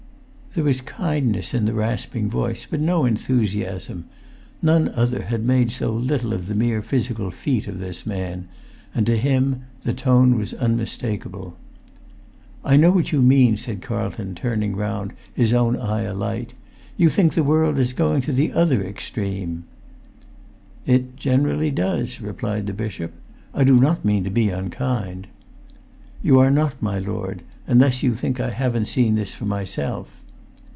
There was kindness in the rasping voice, but no enthusiasm. None other had made so little of the[Pg 382] mere physical feat of this man; and to him the tone was unmistakable. "I know what you mean," said Carlton, turning round, his own eye alight. "You think the world is going to the other extreme!" "It generally does," replied the bishop. "I do not mean to be unkind." "You are not, my lord—unless you think I haven't seen this for myself!"